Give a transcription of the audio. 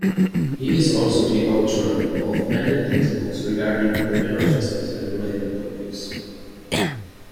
He is also the author of many textbooks regarding criminal justice and related topics.